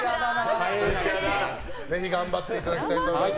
ぜひ頑張っていただきたいと思います。